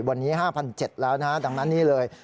วันนี้๕๗๐๐แล้วนะฮะดังนั้นนี่เลย